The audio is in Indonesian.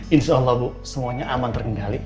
insya allah bu semuanya aman terkendali